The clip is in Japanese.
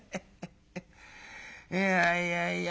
いやいやいや